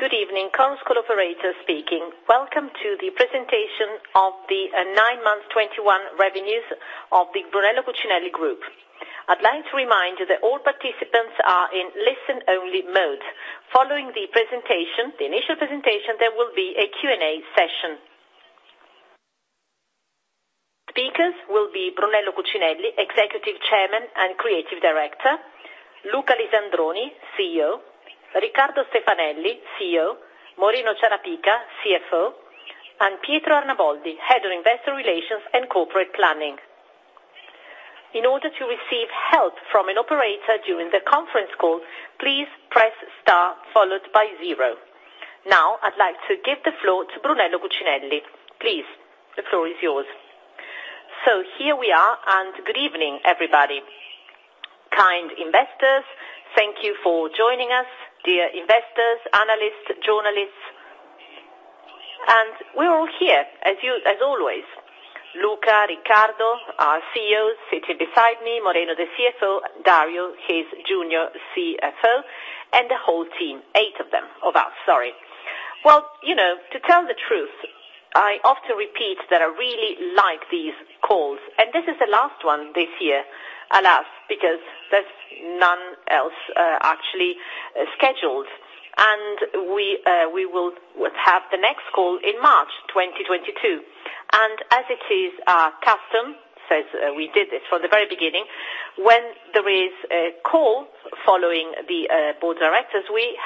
Good evening, conference call operator speaking. Welcome to the presentation of the nine-month 2021 revenues of the Brunello Cucinelli Group. I'd like to remind you that all participants are in listen-only mode. Following the initial presentation, there will be a Q&A session. Speakers will be Brunello Cucinelli, Executive Chairman and Creative Director, Luca Lisandroni, CEO, Riccardo Stefanelli, COO, Moreno Ciarapica, CFO, and Pietro Arnaboldi, Head of Investor Relations and Corporate Planning. In order to receive help from an operator during the conference call, please press star followed by zero. I'd like to give the floor to Brunello Cucinelli. Please, the floor is yours. Here we are, good evening, everybody. Kind investors, thank you for joining us. Dear investors, analysts, journalists. We're all here, as always, Luca, Riccardo, our CEOs sitting beside me, Moreno, the CFO, Dario, his junior CFO, and the whole team, eight of us. Well, to tell the truth, I often repeat that I really like these calls, and this is the last one this year, alas, because there's none else actually scheduled. We will have the next call in March 2022. As it is our custom, so we did this from the very beginning, when there is a call following the board of directors, we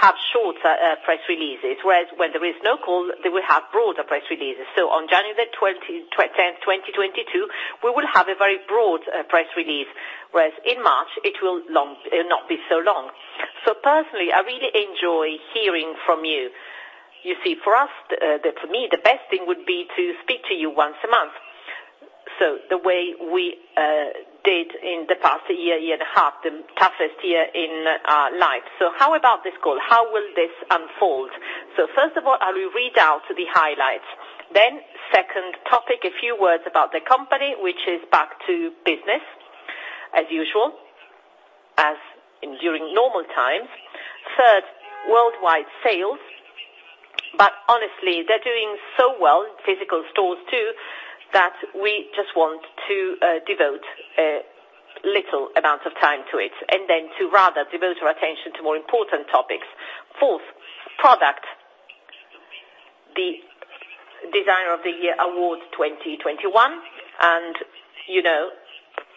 have shorter press releases, whereas when there is no call, then we have broader press releases. On January 10th, 2022, we will have a very broad press release, whereas in March it will not be so long. Personally, I really enjoy hearing from you. You see, for me, the best thing would be to speak to you once a month, the way we did in the past year and a half, the toughest year in our lives. How about this call? How will this unfold? First of all, I will read out the highlights. Second topic, a few words about the company, which is back to business as usual, as during normal times. Third, worldwide sales. Honestly, they're doing so well, physical stores too, that we just want to devote a little amount of time to it, and then to rather devote our attention to more important topics. Fourth, product. The Designer of the Year Awards 2021.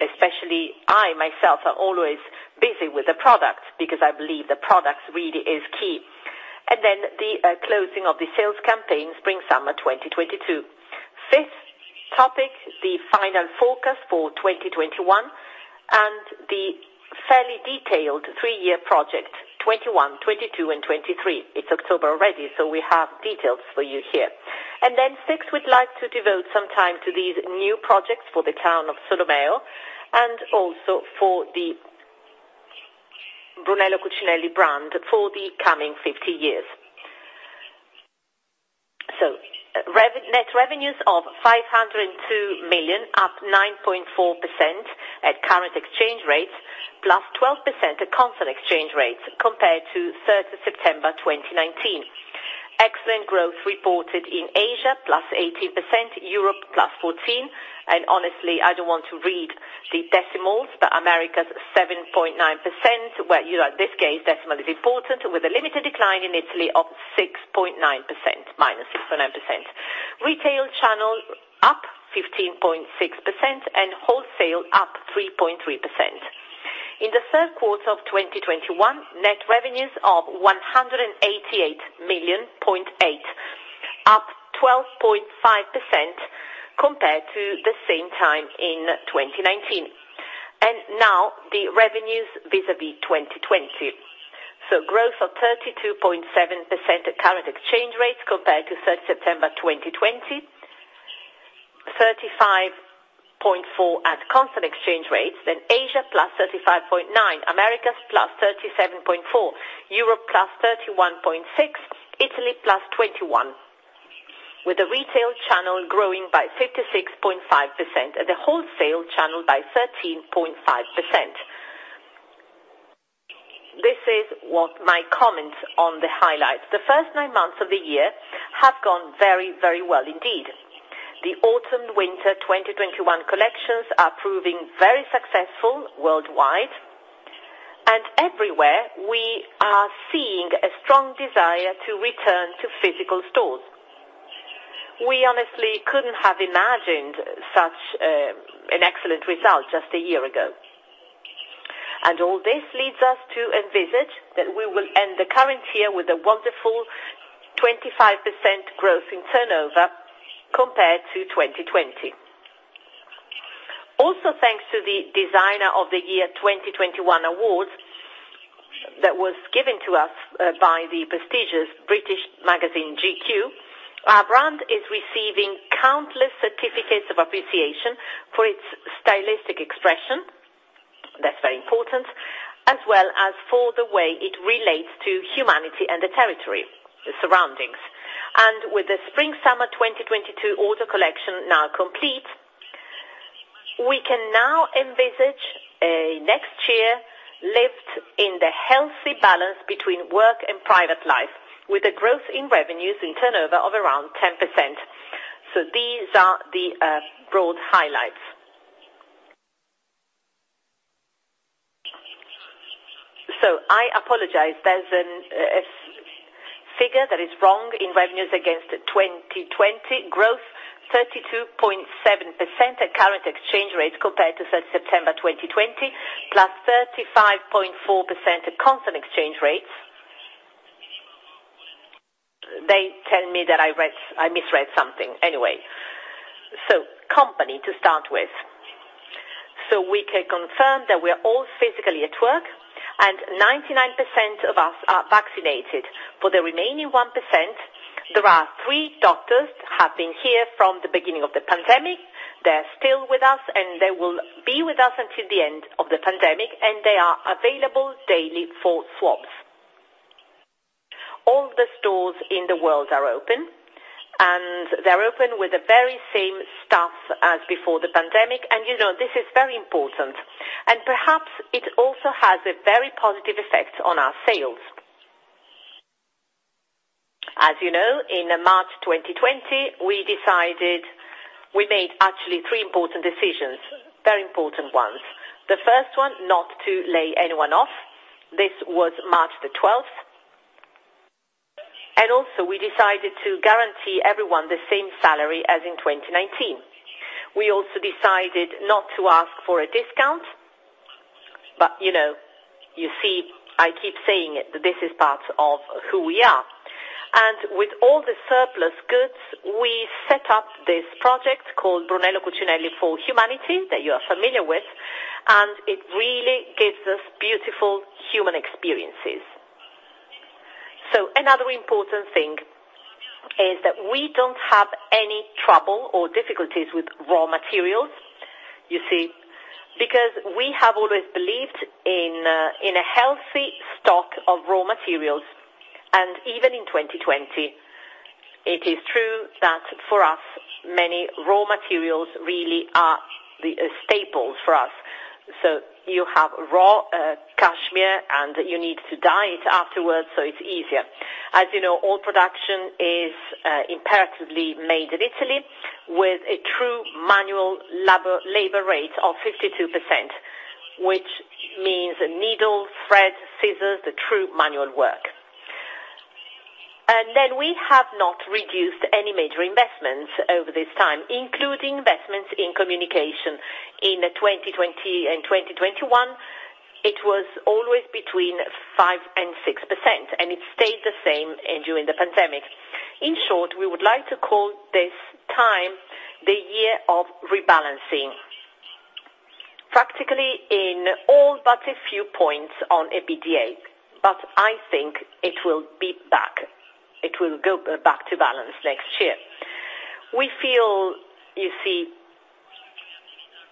Especially I myself, are always busy with the product because I believe the product really is key. The closing of the sales campaign, spring summer 2022. Fifth topic, the final forecast for 2021 and the fairly detailed three-year project, 2021, 2022 and 2023. It's October already, we have details for you here. Sixth, we'd like to devote some time to these new projects for the town of Solomeo, and also for the Brunello Cucinelli brand for the coming 50 years. Net revenues of 502 million, up 9.4% at current exchange rates, +12% at constant exchange rates compared to 3rd of September 2019. Excellent growth reported in Asia, +18%, Europe +14%. Honestly, I don't want to read the decimals, but Americas 7.9% where, this case, decimal is important with a limited decline in Italy of -6.9%, -6.9%. Retail channel up 15.6% and wholesale up 3.3%. In the third quarter of 2021, net revenues of 188.8 million, up 12.5% compared to the same time in 2019. Now the revenues vis-a-vis 2020. Growth of 32.7% at current exchange rates compared to 3rd September 2020, 35.4% at constant exchange rates, Asia +35.9%, Americas +37.4%, Europe +31.6%, Italy +21%, with the retail channel growing by 56.5% and the wholesale channel by 13.5%. This is what my comments on the highlights. The first nine months of the year have gone very well indeed. The autumn winter 2021 collections are proving very successful worldwide, and everywhere we are seeing a strong desire to return to physical stores. We honestly couldn't have imagined such an excellent result just a year ago. All this leads us to envisage that we will end the current year with a wonderful 25% growth in turnover compared to 2020. Also, thanks to the Designer of the Year 2021 Awards that was given to us by the prestigious British magazine, GQ, our brand is receiving countless certificates of appreciation for its stylistic expression. That's very important. As well as for the way it relates to humanity and the territory, the surroundings. With the spring summer 2022 order collection now complete. We can now envisage a next year lived in the healthy balance between work and private life, with a growth in revenues and turnover of around 10%. These are the broad highlights. I apologize. There's a figure that is wrong in revenues against 2020 growth, 32.7% at current exchange rates compared to September 2020, +35.4% at constant exchange rates. They tell me that I misread something. Company to start with. We can confirm that we're all physically at work and 99% of us are vaccinated. For the remaining 1%, there are three doctors who have been here from the beginning of the pandemic. They're still with us, and they will be with us until the end of the pandemic, and they are available daily for swabs. All the stores in the world are open, and they're open with the very same staff as before the pandemic. This is very important, and perhaps it also has a very positive effect on our sales. As you know, in March 2020, we made actually 3 important decisions, very important ones. The first one, not to lay anyone off. This was March the 12th. Also, we decided to guarantee everyone the same salary as in 2019. We also decided not to ask for a discount. You see, I keep saying it, that this is part of who we are. With all the surplus goods, we set up this project called Brunello Cucinelli for Humanity, that you are familiar with, and it really gives us beautiful human experiences. Another important thing is that we don't have any trouble or difficulties with raw materials. You see, because we have always believed in a healthy stock of raw materials, and even in 2020, it is true that for us, many raw materials really are staples for us. You have raw cashmere, and you need to dye it afterwards, so it's easier. As you know, all production is imperatively made in Italy, with a true manual labor rate of 52%, which means needle, thread, scissors, the true manual work. We have not reduced any major investments over this time, including investments in communication. In 2020 and 2021, it was always between 5% and 6%, and it stayed the same during the pandemic. In short, we would like to call this time the year of rebalancing. Practically in all but a few points on EBITDA, I think it will be back. It will go back to balance next year. We feel, you see,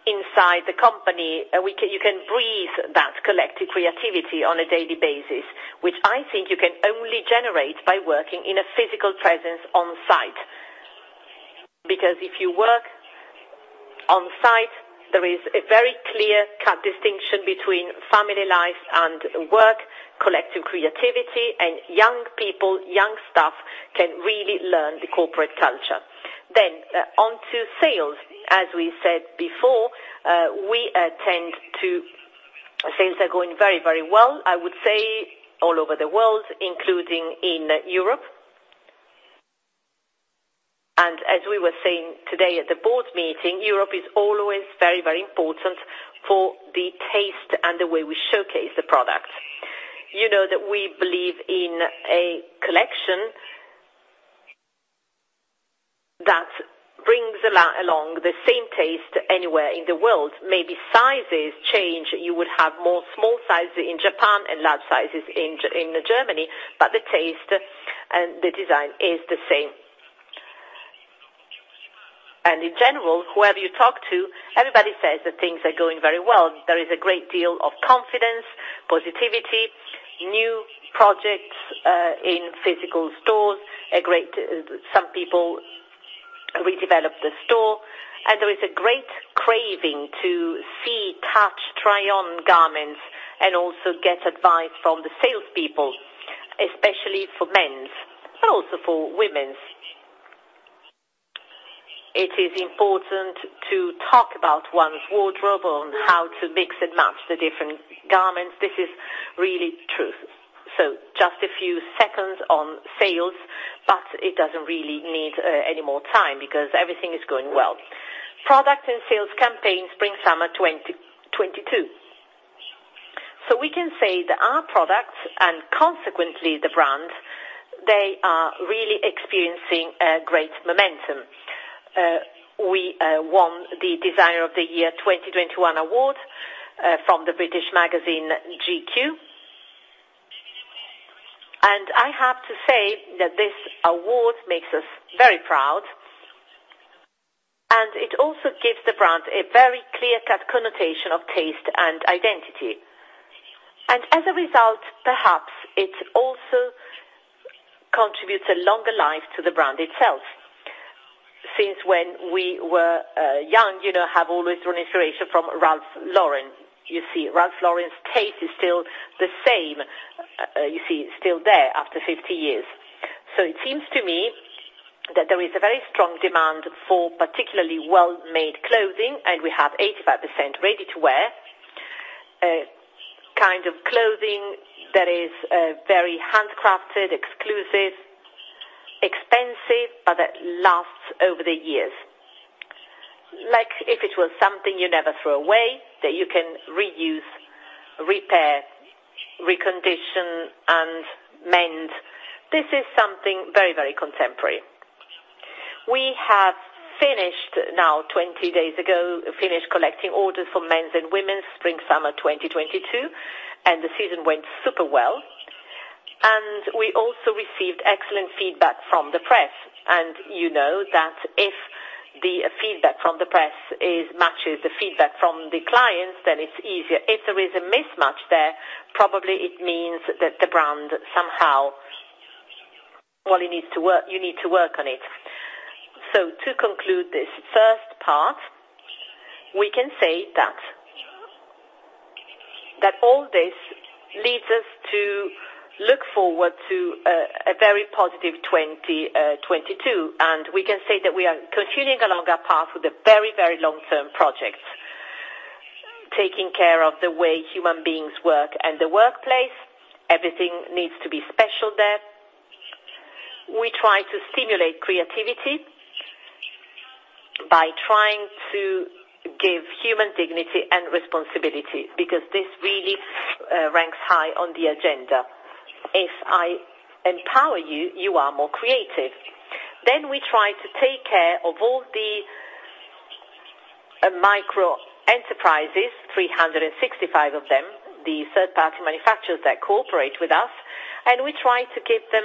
inside the company, you can breathe that collective creativity on a daily basis, which I think you can only generate by working in a physical presence on-site. If you work on-site, there is a very clear-cut distinction between family life and work, collective creativity, and young people, young staff can really learn the corporate culture. Onto sales. As we said before, things are going very, very well, I would say all over the world, including in Europe. As we were saying today at the board meeting, Europe is always very, very important for the taste and the way we showcase the product. You know that we believe in a collection that brings along the same taste anywhere in the world. Maybe sizes change. You would have more small sizes in Japan and large sizes in Germany, but the taste and the design is the same. In general, whoever you talk to, everybody says that things are going very well. There is a great deal of confidence, positivity, new projects in physical stores. Some people redeveloped the store, and there is a great craving to see, touch, try on garments, and also get advice from the salespeople, especially for men's, but also for women's. It is important to talk about one's wardrobe on how to mix and match the different garments. This is really true. Just a few seconds on sales, but it doesn't really need any more time because everything is going well. Product and sales campaign Spring/Summer 2022. We can say that our products and consequently the brands, they are really experiencing a great momentum. We won the Designer of the Year 2021 award from the British magazine GQ. I have to say that this award makes us very proud, and it also gives the brand a very clear-cut connotation of taste and identity. As a result, perhaps it also contributes a longer life to the brand itself. Since when we were young, we have always drawn inspiration from Ralph Lauren. You see Ralph Lauren's taste is still the same, still there after 50 years. It seems to me that there is a very strong demand for particularly well-made clothing, and we have 85% ready-to-wear, kind of clothing that is very handcrafted, exclusive, expensive, but that lasts over the years. Like if it was something you never throw away, that you can reuse, repair, recondition, and mend. This is something very contemporary. We have finished now 20 days ago, finished collecting orders for men's and women's spring/summer 2022, and the season went super well. We also received excellent feedback from the press. You know that if the feedback from the press matches the feedback from the clients, then it's easier. If there is a mismatch there, probably it means that the brand somehow, well, you need to work on it. To conclude this first part, we can say that all this leads us to look forward to a very positive 2022. We can say that we are continuing along our path with a very long-term project, taking care of the way human beings work and the workplace. Everything needs to be special there. We try to stimulate creativity by trying to give human dignity and responsibility, because this really ranks high on the agenda. If I empower you are more creative. We try to take care of all the micro enterprises, 365 of them, the third-party manufacturers that cooperate with us, and we try to give them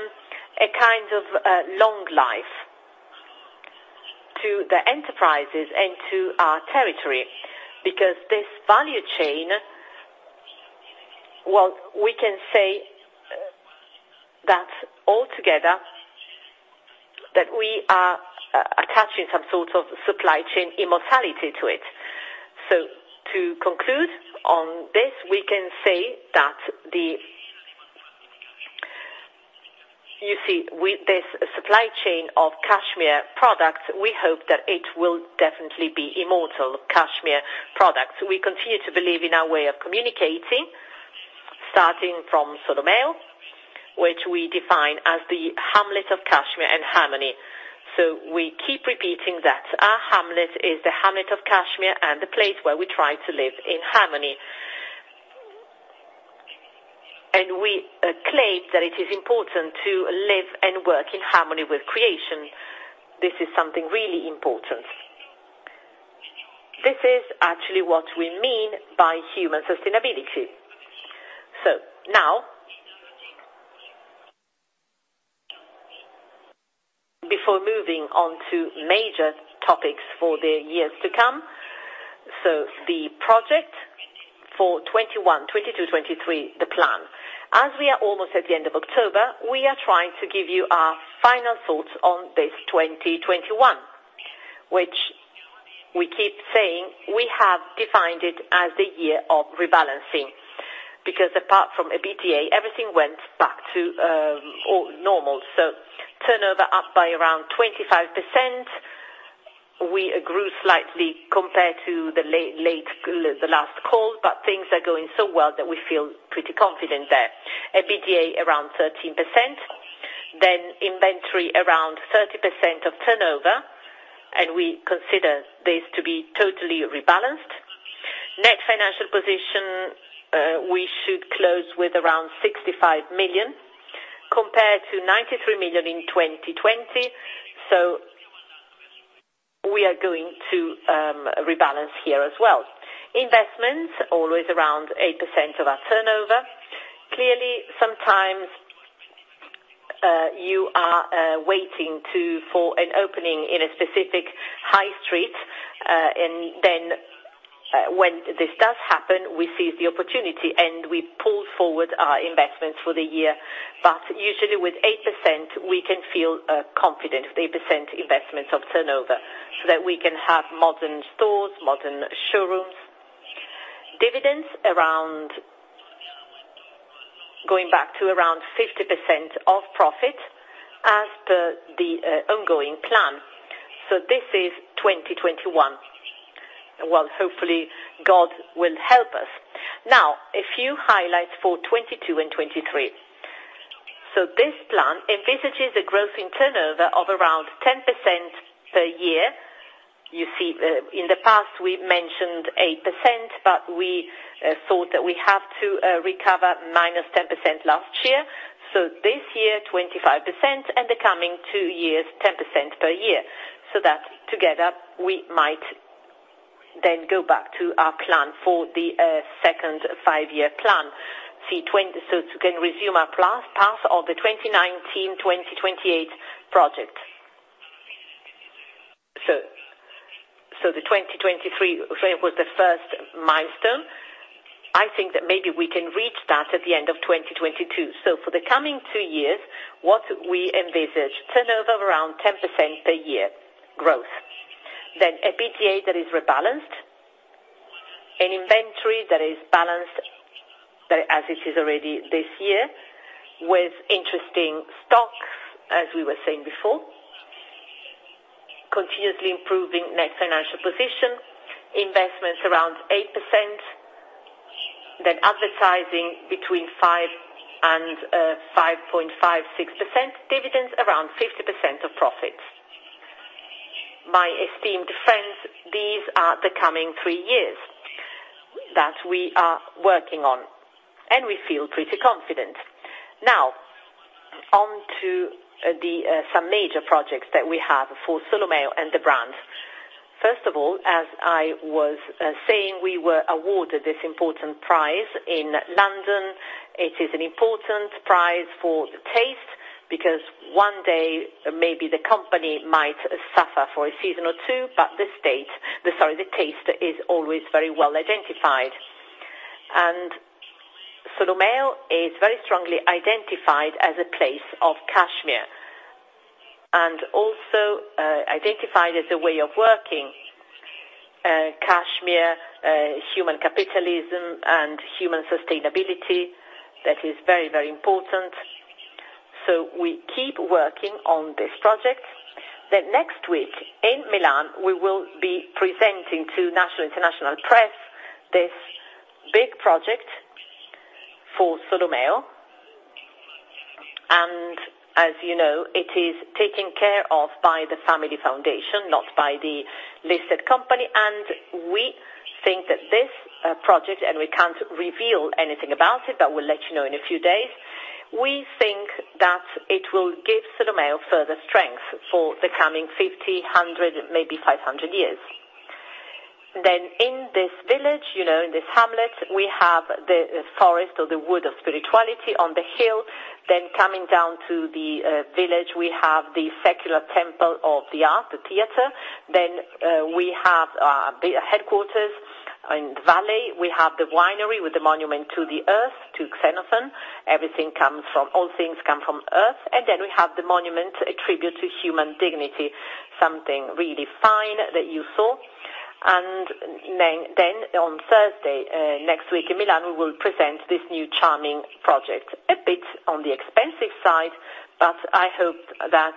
a kind of long life to the enterprises and to our territory. This value chain, well, we can say that altogether that we are attaching some sort of supply chain immortality to it. To conclude on this, we can say that with this supply chain of cashmere products, we hope that it will definitely be immortal cashmere products. We continue to believe in our way of communicating, starting from Solomeo, which we define as the hamlet of cashmere and harmony. We keep repeating that our hamlet is the hamlet of cashmere and the place where we try to live in harmony. We claim that it is important to live and work in harmony with creation. This is something really important. This is actually what we mean by human sustainability. Now, before moving on to major topics for the years to come, the project for 2021, 2022, 2023, the plan. As we are almost at the end of October, we are trying to give you our final thoughts on this 2021, which we keep saying we have defined it as the year of rebalancing, because apart from EBITDA, everything went back to normal. Turnover up by around 25%. We grew slightly compared to the last call, but things are going so well that we feel pretty confident there. EBITDA around 13%, then inventory around 30% of turnover, and we consider this to be totally rebalanced. Net financial position, we should close with around 65 million compared to 93 million in 2020. We are going to rebalance here as well. Investments, always around 8% of our turnover. Clearly, sometimes, you are waiting for an opening in a specific high street, and then when this does happen, we seize the opportunity and we pull forward our investments for the year. Usually with 8%, we can feel confident, 8% investments of turnover, that we can have modern stores, modern showrooms. Dividends going back to around 50% of profit as the ongoing plan. This is 2021. Well, hopefully, God will help us. A few highlights for 2022 and 2023. This plan envisages a growth in turnover of around 10% per year. You see, in the past, we mentioned 8%, but we thought that we have to recover -10% last year. This year, 25%, and the coming two years, 10% per year. That together, we might then go back to our plan for the second five-year plan. We can resume our path of the 2019/2028 project. The 2023 frame was the first milestone. I think that maybe we can reach that at the end of 2022. For the coming two years, what we envisage, turnover around 10% per year growth. EBITDA that is rebalanced. An inventory that is balanced as it is already this year, with interesting stocks, as we were saying before. Continuously improving net financial position, investments around 8%, advertising between 5% and 5.5%, 6% dividends, around 50% of profits. My esteemed friends, these are the coming three years that we are working on, and we feel pretty confident. Now, on to some major projects that we have for Solomeo and the brands. First of all, as I was saying, we were awarded this important prize in London. It is an important prize for taste, because one day, maybe the company might suffer for a season or 2, but the taste is always very well identified. Solomeo is very strongly identified as a place of cashmere. Also identified as a way of working. cashmere, human capitalism, and human sustainability, that is very, very important. We keep working on this project, that next week in Milan, we will be presenting to national, international press this big project for Solomeo. As you know, it is taken care of by the family foundation, not by the listed company, and we think that this project, and we can't reveal anything about it, but we'll let you know in a few days. We think that it will give Solomeo further strength for the coming 50 years, 100 years, maybe 500 years. In this village, in this hamlet, we have the forest or the wood of spirituality on the hill. Coming down to the village, we have the secular temple of the art, the theater. We have the headquarters. In the valley, we have the winery with the monument to the Earth, to Xenophanes. All things come from Earth. We have the monument, a tribute to human dignity, something really fine that you saw. On Thursday, next week in Milan, we will present this new charming project. A bit on the expensive side, I hope that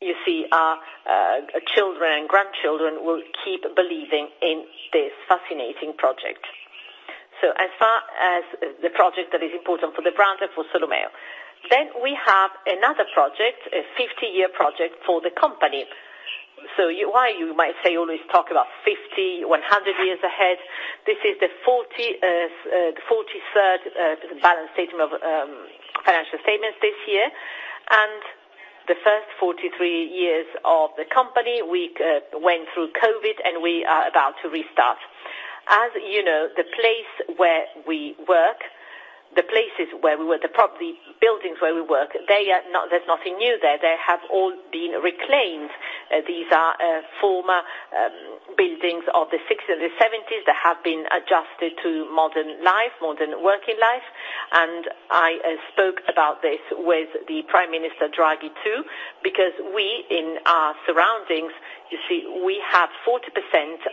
you see our children and grandchildren will keep believing in this fascinating project. As far as the project that is important for the brand and for Solomeo. We have another project, a 50-year project for the company. Why you might say always talk about 50 years, 100 years ahead. This is the 43rd balance statement of financial statements this year. The first 43 years of the company, we went through COVID, and we are about to restart. As you know, the place where we work, the buildings where we work, there's nothing new there. They have all been reclaimed. These are former buildings of the '60s and '70s that have been adjusted to modern life, modern working life. I spoke about this with the Prime Minister Draghi, too, because we, in our surroundings, you see, we have 40%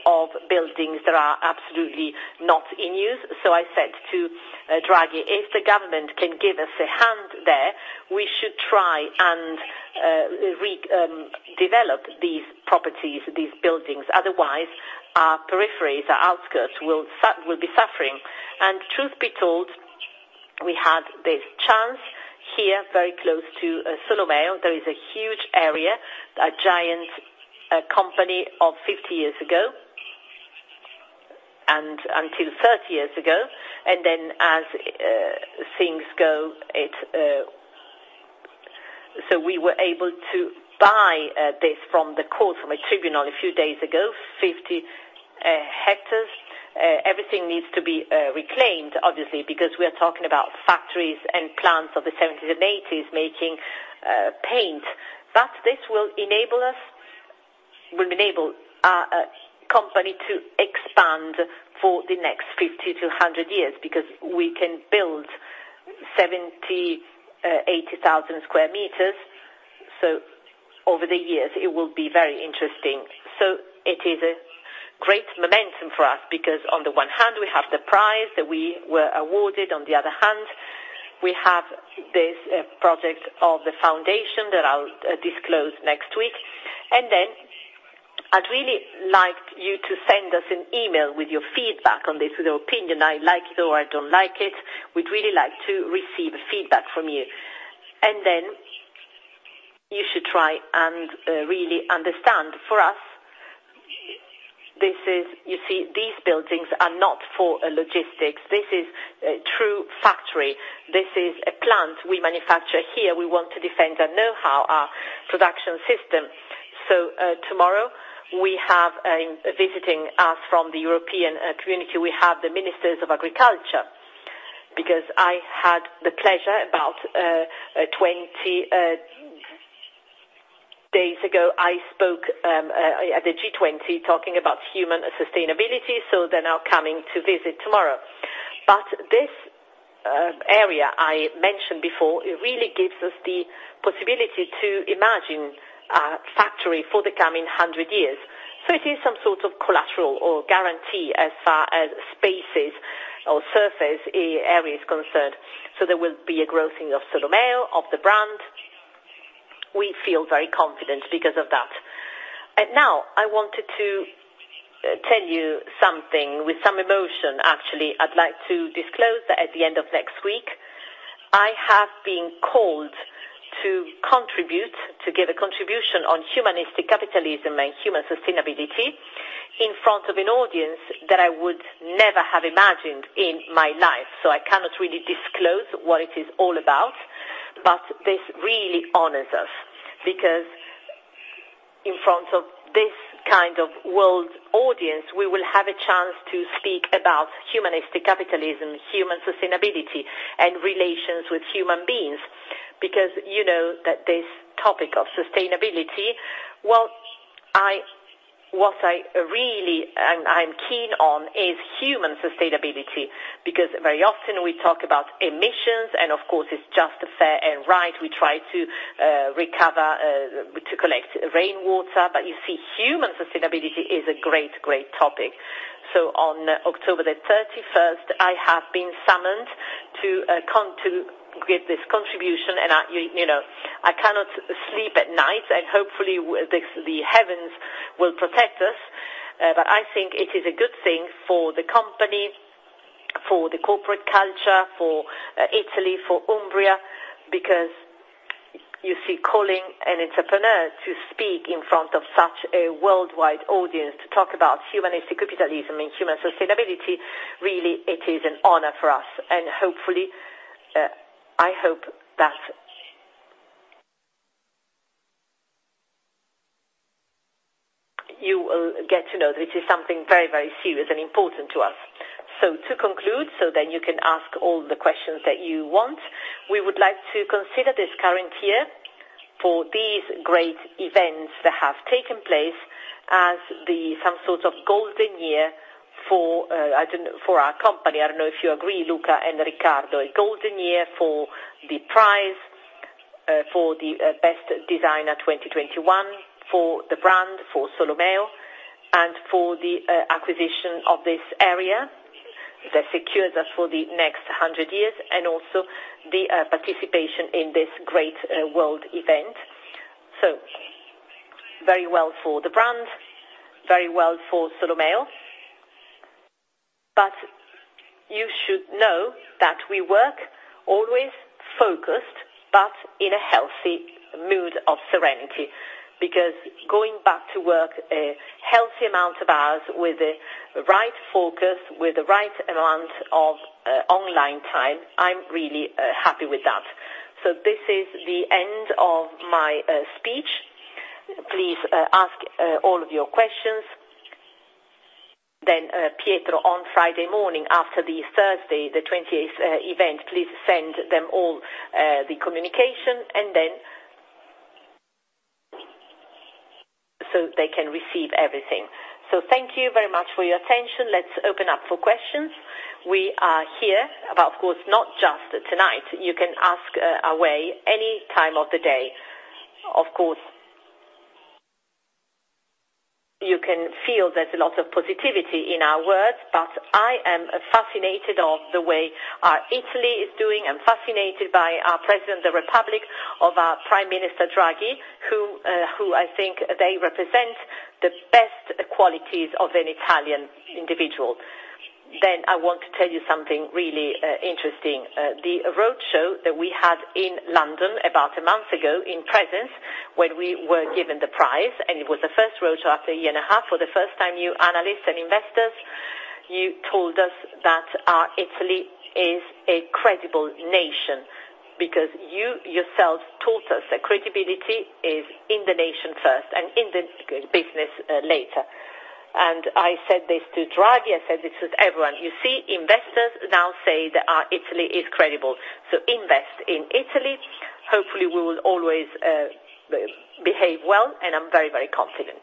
of buildings that are absolutely not in use. I said to Draghi, if the government can give us a hand there, we should try and redevelop these properties, these buildings. Otherwise, our peripheries, our outskirts will be suffering. Truth be told, we had this chance here, very close to Solomeo. There is a huge area, a giant company of 50 years ago and until 30 years ago. As things go, we were able to buy this from the court, from a tribunal a few days ago, 50 ha. Everything needs to be reclaimed, obviously, because we are talking about factories and plants of the '70s and '80s making paint. This will enable our company to expand for the next 50 years-100 years because we can build 70,000, 80,000 sq m. Over the years, it will be very interesting. It is a great momentum for us because on the one hand, we have the prize that we were awarded. On the other hand, we have this project of the foundation that I'll disclose next week. I'd really like you to send us an email with your feedback on this, with your opinion. I like it or I don't like it. We'd really like to receive feedback from you. You should try and really understand. For us, you see, these buildings are not for logistics. This is a true factory. This is a plant. We manufacture here. We want to defend our know-how, our production system. Tomorrow we have visiting us from the European Community, we have the Ministers of Agriculture, because I had the pleasure about 20 days ago, I spoke at the G20 talking about human sustainability, so they're now coming to visit tomorrow. This area I mentioned before, it really gives us the possibility to imagine a factory for the coming 100 years. It is some sort of collateral or guarantee as far as spaces or surface area is concerned. There will be a growing of Solomeo, of the brand. We feel very confident because of that. I wanted to tell you something with some emotion, actually. I'd like to disclose that at the end of next week, I have been called to give a contribution on humanistic capitalism and human sustainability in front of an audience that I would never have imagined in my life. I cannot really disclose what it is all about, but this really honors us. In front of this kind of world audience, we will have a chance to speak about humanistic capitalism, human sustainability, and relations with human beings. You know that this topic of sustainability, what I really am keen on is human sustainability. Very often we talk about emissions, and of course, it's just fair and right. We try to collect rainwater. You see, human sustainability is a great topic. On October 31st, I have been summoned to give this contribution, and I cannot sleep at night, and hopefully, the heavens will protect us. I think it is a good thing for the company, for the corporate culture, for Italy, for Umbria, because you see, calling an entrepreneur to speak in front of such a worldwide audience to talk about humanistic capitalism and human sustainability, really, it is an honor for us. I hope that you will get to know this is something very serious and important to us. To conclude, so then you can ask all the questions that you want. We would like to consider this current year for these great events that have taken place as some sort of golden year for our company. I don't know if you agree, Luca and Riccardo. A golden year for the prize, for the Best Designer 2021, for the brand, for Solomeo, and for the acquisition of this area that secures us for the next 100 years, and also the participation in this great world event. Very well for the brand, very well for Solomeo. You should know that we work always focused, but in a healthy mood of serenity, because going back to work a healthy amount of hours with the right focus, with the right amount of online time, I am really happy with that. This is the end of my speech. Please ask all of your questions. Pietro, on Friday morning after the Thursday, the 20th event, please send them all the communication, so they can receive everything. Thank you very much for your attention. Let's open up for questions. We are here, but of course, not just tonight. You can ask away any time of the day. Of course, you can feel there's a lot of positivity in our words, but I am fascinated of the way our Italy is doing. I'm fascinated by our President of the Republic, of our Prime Minister Draghi, who I think they represent the best qualities of an Italian individual. I want to tell you something really interesting. The roadshow that we had in London about one month ago in presence, when we were given the prize, and it was the first roadshow after 1.5 years. For the first time, you analysts and investors, you told us that our Italy is a credible nation because you yourself taught us that credibility is in the nation first and in the business later. I said this to Draghi, I said this with everyone. You see, investors now say that our Italy is credible. Invest in Italy. Hopefully, we will always behave well, and I'm very confident.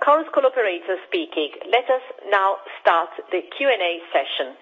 Conference call operator speaking. Let us now start the Q&A session.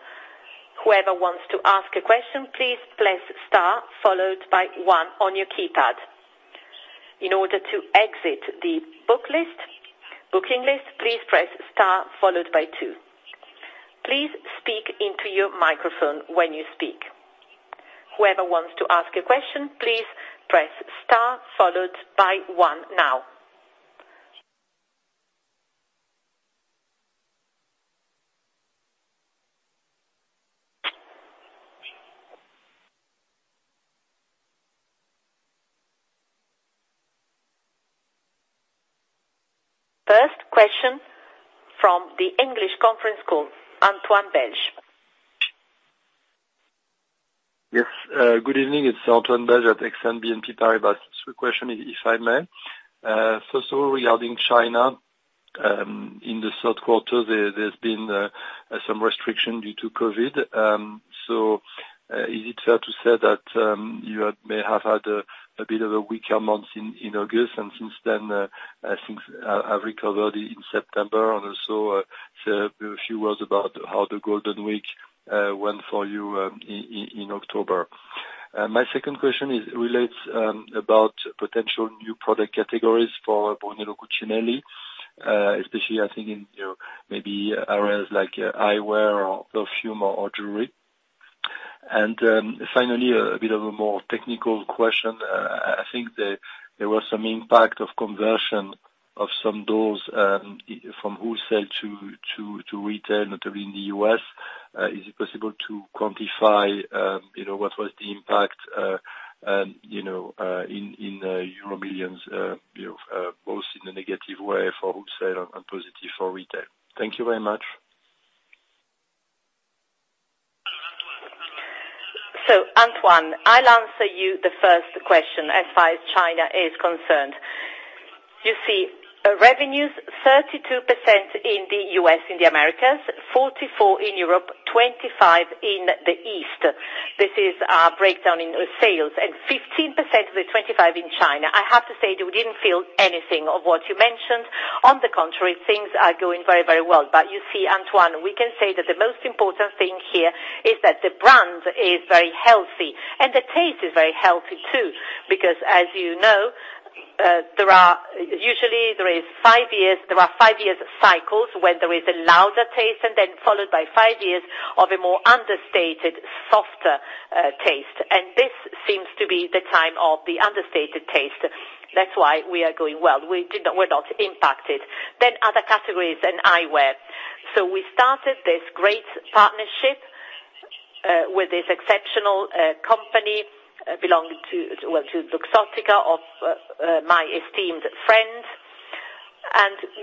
First question from the English conference call, Antoine Belge. Yes. Good evening. It's Antoine Belge at Exane BNP Paribas. Two question, if I may. First of all, regarding China. In the third quarter, there's been some restriction due to COVID. Is it fair to say that you may have had a bit of a weaker month in August, and since then have recovered in September? Also, say a few words about how the Golden Week went for you in October. My second question relates about potential new product categories for Brunello Cucinelli, especially, I think maybe areas like eyewear or perfume or jewelry. Finally, a bit of a more technical question. I think there was some impact of conversion of some doors from wholesale to retail, notably in the U.S. Is it possible to quantify what was the impact in euro millions, both in a negative way for wholesale and positive for retail? Thank you very much. Antoine, I'll answer you the first question as far as China is concerned. Revenues 32% in the U.S., in the Americas, 44% in Europe, 25% in the East. This is our breakdown in sales, 15% of the 25% in China. I have to say that we didn't feel anything of what you mentioned. On the contrary, things are going very well. Antoine, we can say that the most important thing here is that the brand is very healthy, and the taste is very healthy too. As you know, usually there are five years cycles when there is a louder taste and then followed by five years of a more understated, softer taste. This seems to be the time of the understated taste. That's why we are going well. We're not impacted. Other categories, then eyewear. We started this great partnership with this exceptional company belonging to Luxottica of my esteemed friend.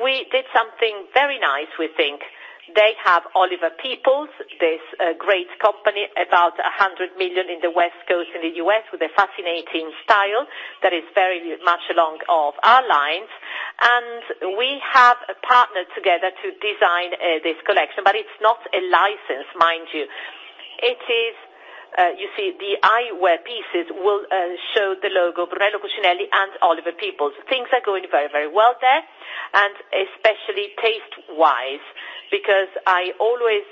We did something very nice, we think. They have Oliver Peoples, this great company, about 100 million in the West Coast in the U.S., with a fascinating style that is very much along of our lines. We have partnered together to design this collection. It's not a license, mind you. You see, the eyewear pieces will show the logo, Brunello Cucinelli and Oliver Peoples. Things are going very well there, especially taste-wise. I always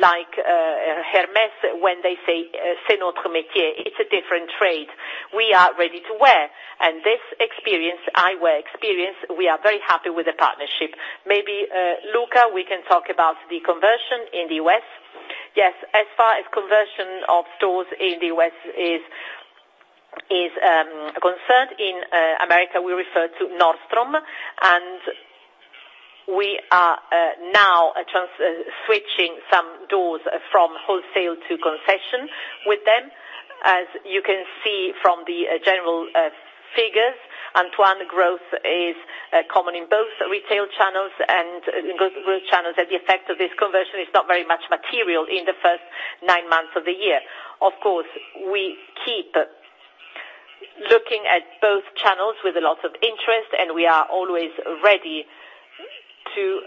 like Hermès when they say, "It's a different trade." We are ready-to-wear. This eyewear experience, we are very happy with the partnership. Maybe, Luca, we can talk about the conversion in theU.S. As far as conversion of stores in the U.S. is concerned, in America, we refer to Nordstrom, and we are now switching some doors from wholesale to concession with them. As you can see from the general figures, Antoine, growth is common in both retail channels and growth channels, and the effect of this conversion is not very much material in the first nine months of the year. Of course, we keep looking at both channels with a lot of interest, and we are always ready to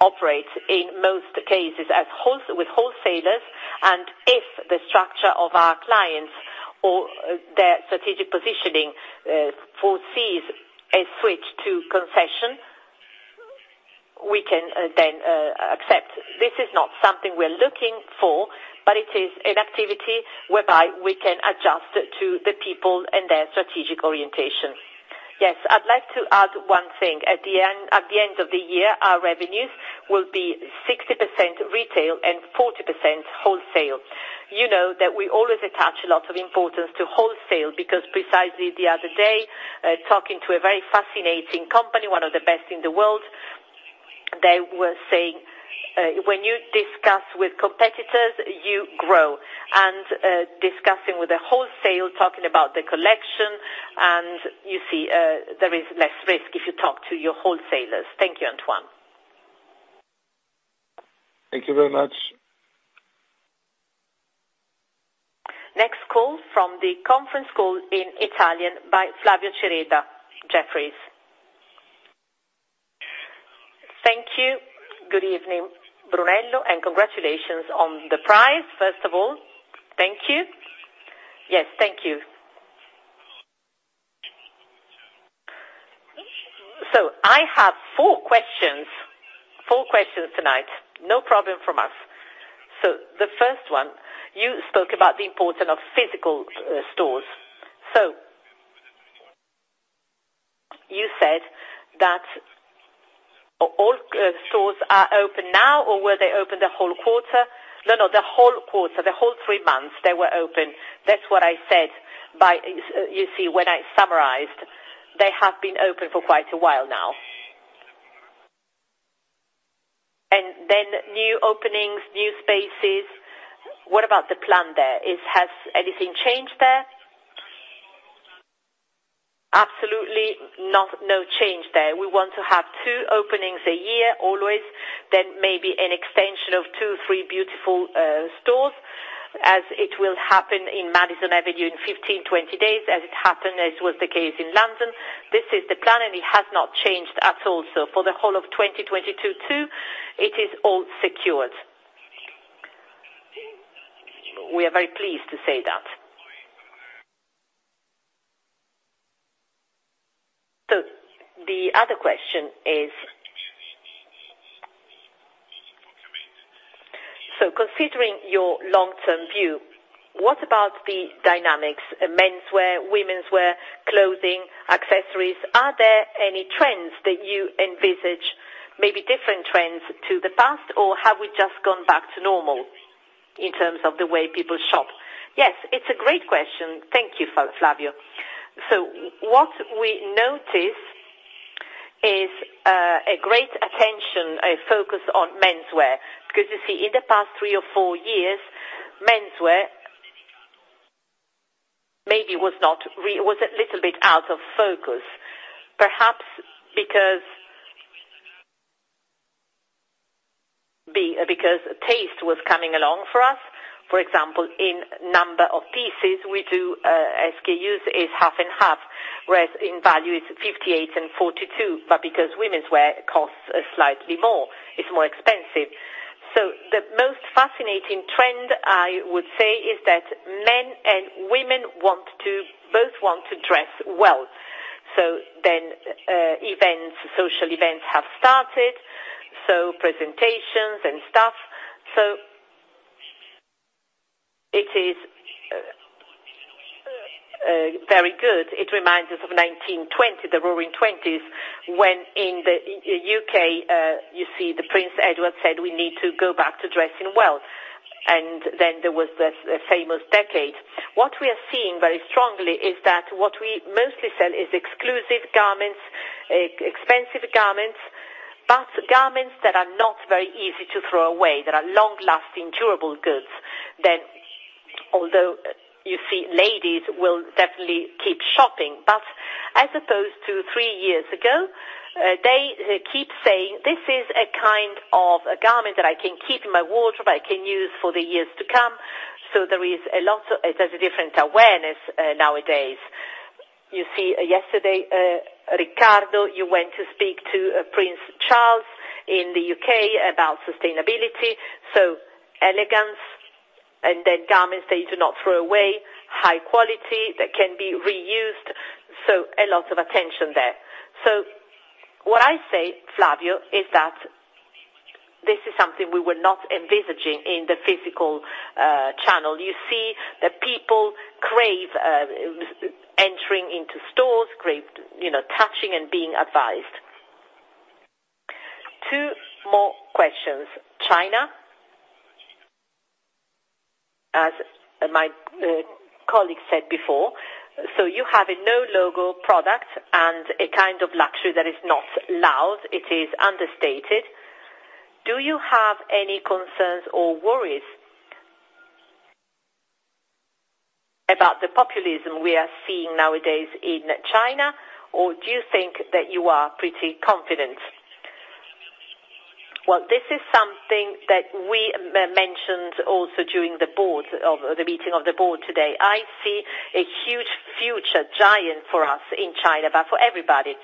operate, in most cases, with wholesalers. If the structure of our clients or their strategic positioning foresees a switch to concession, we can then accept. This is not something we're looking for, but it is an activity whereby we can adjust to the people and their strategic orientation. Yes, I'd like to add one thing. At the end of the year, our revenues will be 60% retail and 40% wholesale. You know that we always attach a lot of importance to wholesale because precisely the other day, talking to a very fascinating company, one of the best in the world, they were saying, when you discuss with competitors, you grow. Discussing with the wholesale, talking about the collection, and you see there is less risk if you talk to your wholesalers. Thank you, Antoine. Thank you very much. Next call from the conference call in Italian by Flavio Cereda, Jefferies. Thank you. Good evening, Brunello, and congratulations on the prize, first of all. Thank you. Yes, thank you. I have four questions tonight. No problem from us. The first one, you spoke about the importance of physical stores. You said that all stores are open now, or were they open the whole quarter? No, the whole quarter, the whole three months they were open. That's what I said. You see, when I summarized, they have been open for quite a while now. New openings, new spaces. What about the plan there? Has anything changed there? Absolutly no change there. We want to have two openings a year always. Maybe an extension of two, three beautiful stores, as it will happen in Madison Avenue in 15, 20 days, as it happened, as was the case in London. This is the plan, and it has not changed at all. For the whole of 2022, it is all secured. We are very pleased to say that. The other question is, considering your long-term view, what about the dynamics? Menswear, womenswear, clothing, accessories, are there any trends that you envisage, maybe different trends to the past, or have we just gone back to normal in terms of the way people shop? Yes, it's a great question. Thank you, Flavio. What we noticed is a great attention, a focus on menswear. You see, in the past three or four years, menswear maybe was a little bit out of focus, perhaps because taste was coming along for us. For example, in number of pieces we do, SKUs is half and half, whereas in value it's 58 and 42. Because womenswear costs slightly more, it's more expensive. The most fascinating trend, I would say, is that men and women both want to dress well. Social events have started, so presentations and stuff. It is very good. It reminds us of 1920, the Roaring 1920s, when in the U.K., you see the Prince Edward said we need to go back to dressing well. There was the famous decade. What we are seeing very strongly is that what we mostly sell is exclusive garments, expensive garments. Garments that are not very easy to throw away, that are long-lasting, durable goods. Although you see ladies will definitely keep shopping, but as opposed to three years ago, they keep saying, "This is a kind of a garment that I can keep in my wardrobe, I can use for the years to come." There's a different awareness nowadays. You see, yesterday, Riccardo, you went to speak to Prince Charles in the U.K. about sustainability. Elegance and garments that you do not throw away, high quality, that can be reused. A lot of attention there. What I say, Flavio, is that this is something we were not envisaging in the physical channel. You see people crave entering into stores, crave touching and being advised. Two more questions. China, as my colleague said before, you have a no-logo product and a kind of luxury that is not loud, it is understated. Do you have any concerns or worries about the populism we are seeing nowadays in China, or do you think that you are pretty confident? Well, this is something that we mentioned also during the meeting of the board today. I see a huge future giant for us in China, but for everybody.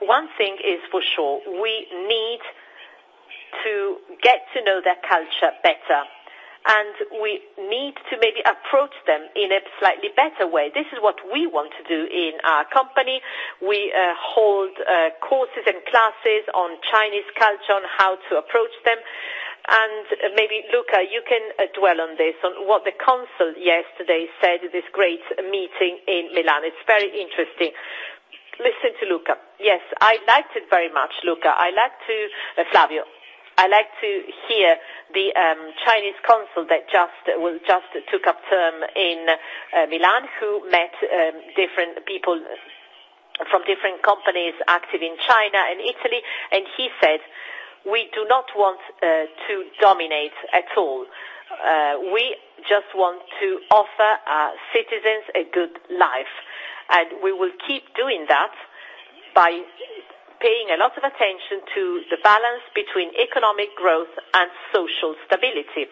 One thing is for sure, we need to get to know their culture better, and we need to maybe approach them in a slightly better way. This is what we want to do in our company. We hold courses and classes on Chinese culture, on how to approach them. Maybe, Luca, you can dwell on this, on what the consul yesterday said at this great meeting in Milan. It's very interesting. Listen to Luca. Yes, I liked it very much, Flavio. I liked to hear the Chinese consul that just took up term in Milan, who met different people from different companies active in China and Italy, and he said, "We do not want to dominate at all. We just want to offer our citizens a good life, and we will keep doing that by paying a lot of attention to the balance between economic growth and social stability."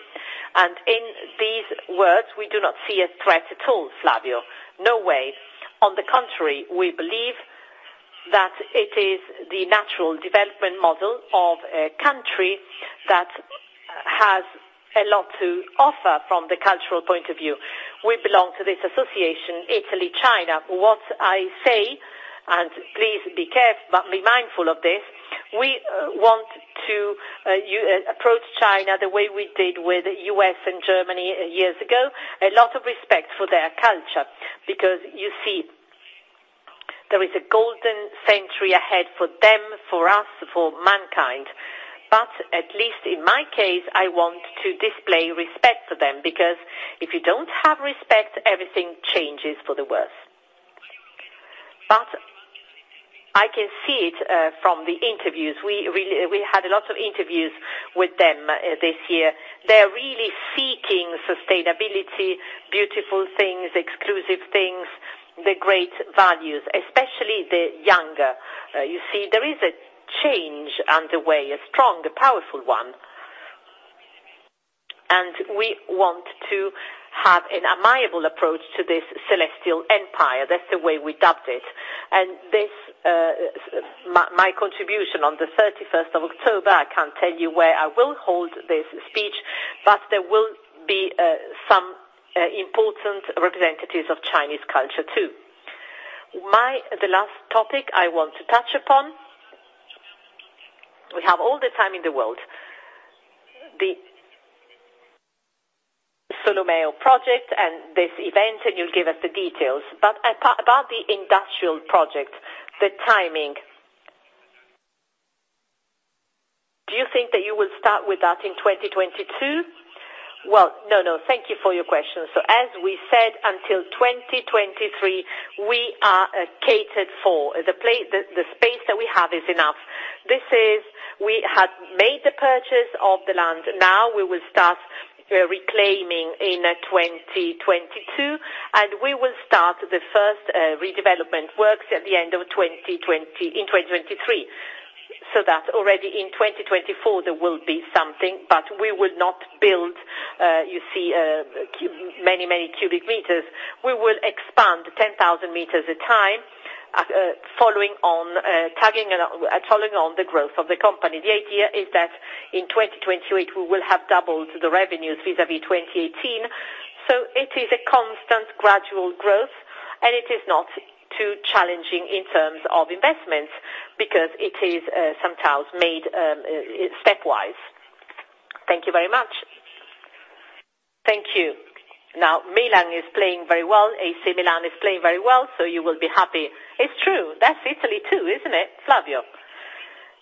In these words, we do not see a threat at all, Flavio. No way. On the contrary, we believe that it is the natural development model of a country that has a lot to offer from the cultural point of view. We belong to this association, Italy-China. What I say, and please be mindful of this, we want to approach China the way we did with U.S. and Germany years ago. A lot of respect for their culture. You see, there is a golden century ahead for them, for us, for mankind. At least in my case, I want to display respect for them, because if you don't have respect, everything changes for the worse. I can see it from the interviews. We had a lot of interviews with them this year. They're really seeking sustainability, beautiful things, exclusive things, the great values, especially the younger. You see, there is a change underway, a strong, a powerful one. We want to have an amiable approach to this celestial empire. That's the way we dubbed it. My contribution on the 31st of October, I can tell you where I will hold this speech, but there will be some important representatives of Chinese culture, too. The last topic I want to touch upon. We have all the time in the world. The Solomeo project and this event, you'll give us the details. About the industrial project, the timing, do you think that you will start with that in 2022? Well, no. Thank you for your question. As we said, until 2023, we are catered for. The space that we have is enough. We have made the purchase of the land. Now we will start reclaiming in 2022, and we will start the first redevelopment works at the end of 2020, in 2023. That already in 2024, there will be something, but we will not build many cubic meters. We will expand 10,000 meters a time, following on the growth of the company. The idea is that in 2028, we will have doubled the revenues vis-a-vis 2018. It is a constant gradual growth, and it is not too challenging in terms of investments because it is sometimes made stepwise. Thank you very much. Thank you. Milan is playing very well. AC Milan is playing very well, so you will be happy. It's true. That's Italy, too, isn't it, Flavio?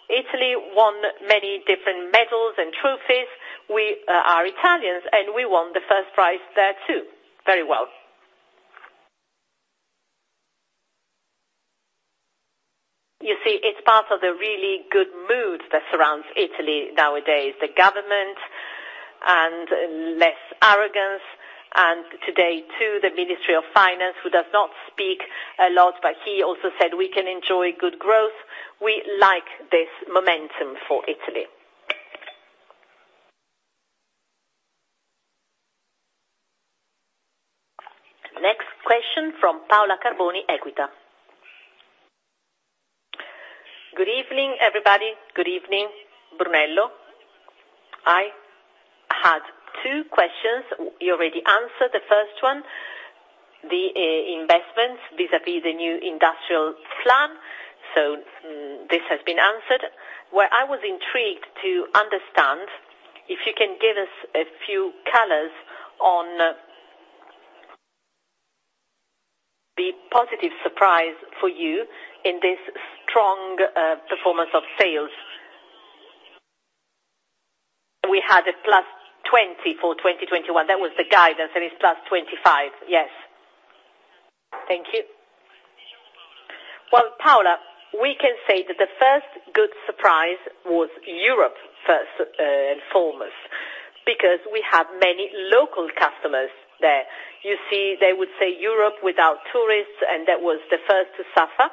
Italy won many different medals and trophies. We are Italians, and we won the first prize there, too. Very well. You see, it's part of the really good mood that surrounds Italy nowadays, the government and less arrogance. Today, too, the Ministry of Economy and Finance, who does not speak a lot, but he also said we can enjoy good growth. We like this momentum for Italy. Next question from Paola Carboni, Equita. Good evening, everybody. Good evening, Brunello. I had two questions. You already answered the first one, the investments vis-a-vis the new industrial plan. This has been answered. What I was intrigued to understand, if you can give us a few colors on the positive surprise for you in this strong performance of sales. We had a +20% for 2021. That was the guidance, it's +25%. Yes. Thank you. Paola, we can say that the first good surprise was Europe, first and foremost, because we have many local customers there. You see, they would say Europe without tourists, that was the first to suffer.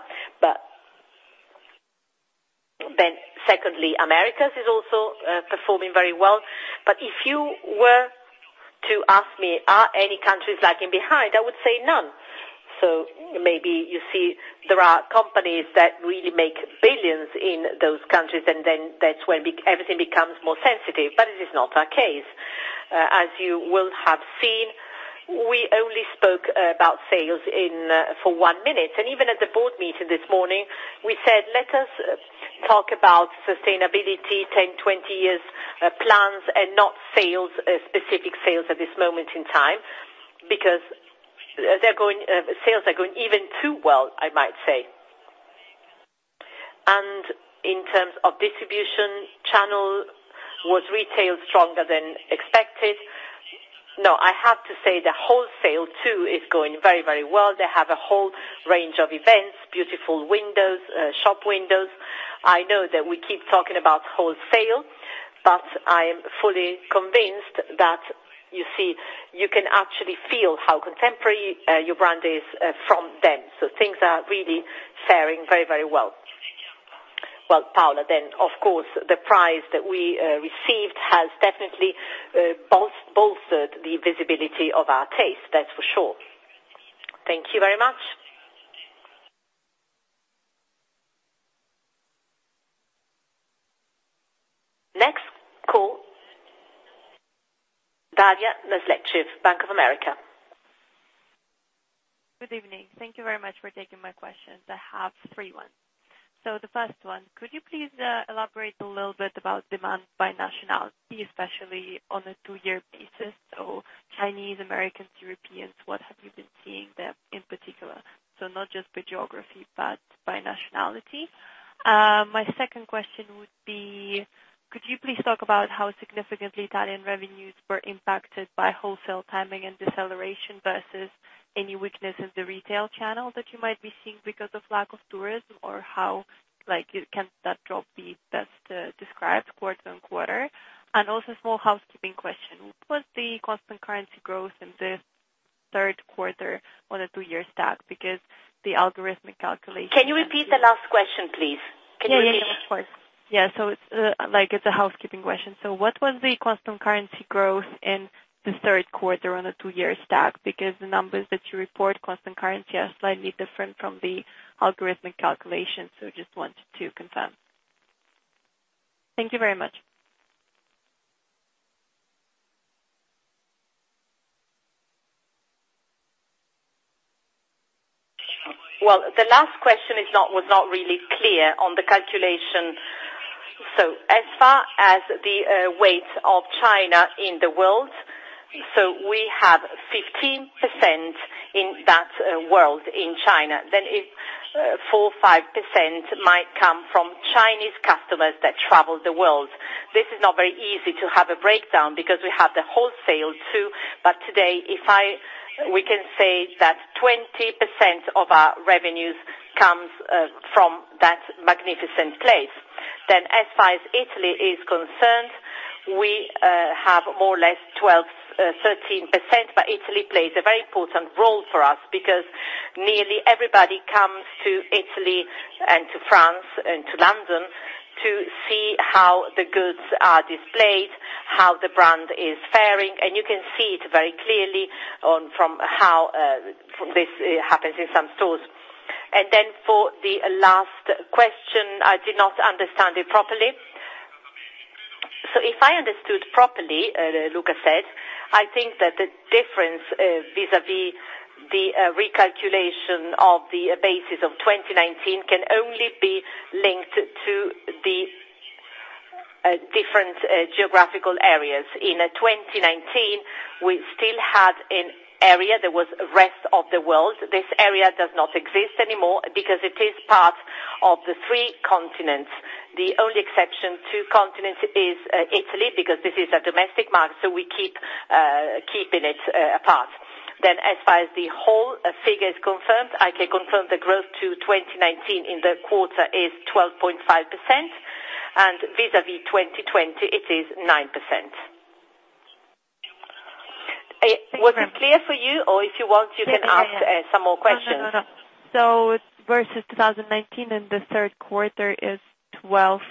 Secondly, Americas is also performing very well. If you were to ask me, are any countries lagging behind? I would say none. Maybe you see there are companies that really make billions in those countries, that's when everything becomes more sensitive. It is not our case. As you will have seen, we only spoke about sales for one minute. Even at the board meeting this morning, we said, let us talk about sustainability, 10 year, 20-year plans, and not specific sales at this moment in time, because sales are going even too well, I might say. In terms of distribution channel, was retail stronger than expected? No, I have to say the wholesale, too, is going very well. They have a whole range of events, beautiful windows, shop windows. I know that we keep talking about wholesale, but I am fully convinced that you can actually feel how contemporary your brand is from them. Things are really faring very well. Well, Paola, then, of course, the prize that we received has definitely bolstered the visibility of our taste, that's for sure. Thank you very much. Next call, Daria Nasledysheva, Bank of America. Good evening. Thank you very much for taking my questions. I have three ones. The first one, could you please elaborate a little bit about demand by nationality, especially on a two-year basis? Chinese, Americans, Europeans, what have you been seeing there in particular? Not just by geography, but by nationality. My second question would be, could you please talk about how significantly Italian revenues were impacted by wholesale timing and deceleration versus any weakness in the retail channel that you might be seeing because of lack of tourism? How can that drop be best described quarter-on-quarter? Also a small housekeeping question. What was the constant currency growth in the third quarter on a two-year stack? Can you repeat the last question, please? Can you hear me? Yeah, of course. Yeah. What was the constant currency growth in the third quarter on a two-year stack? Because the numbers that you report constant currency are slightly different from the algorithmic calculation, so just wanted to confirm. Thank you very much. Well, the last question was not really clear on the calculation. As far as the weight of China in the world, we have 15% in that world in China. If 4% or 5% might come from Chinese customers that travel the world. This is not very easy to have a breakdown because we have the wholesale too, but today, we can say that 20% of our revenues comes from that magnificent place. As far as Italy is concerned, we have more or less 12% to 13%, but Italy plays a very important role for us because nearly everybody comes to Italy and to France and to London to see how the goods are displayed, how the brand is faring, and you can see it very clearly from how this happens in some stores. For the last question, I did not understand it properly. If I understood properly, Luca said, I think that the difference vis-a-vis the recalculation of the basis of 2019 can only be linked to the different geographical areas. In 2019, we still had an area that was rest of the world. This area does not exist anymore because it is part of the three continents. The only exception to continents is Italy, because this is a domestic market, so we keep keeping it apart. As far as the whole figure is confirmed, I can confirm the growth to 2019 in the quarter is 12.5%, and vis-a-vis 2020, it is 9%. Was it clear for you? Or if you want, you can ask some more questions. No. versus 2019 in the third quarter is 12.5%.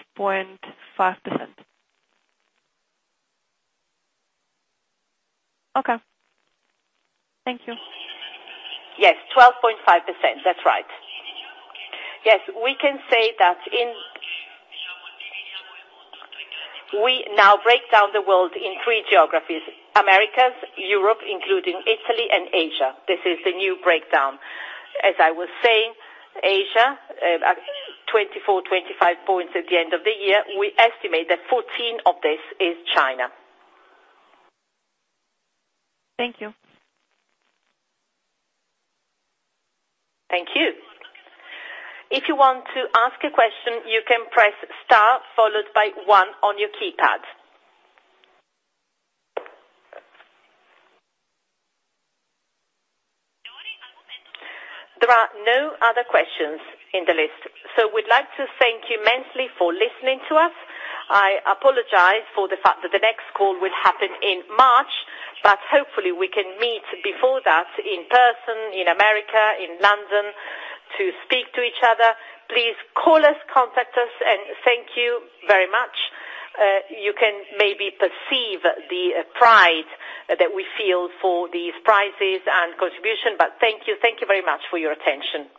Okay. Thank you. Yes, 12.5%. That's right. Yes. We now break down the world in three geographies, Americas, Europe, including Italy and Asia. This is the new breakdown. As I was saying, Asia, 24, 25 points at the end of the year. We estimate that 14 of this is China. Thank you. Thank you. There are no other questions in the list. We'd like to thank you immensely for listening to us. I apologize for the fact that the next call will happen in March, but hopefully, we can meet before that in person, in the U.S., in London to speak to each other. Please call us, contact us, and thank you very much. You can maybe perceive the pride that we feel for these prizes and contribution, but thank you. Thank you very much for your attention.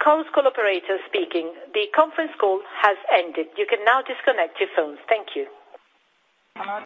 Conference call operator speaking, the conference call has ended you can now disconnect your phone. Thank you.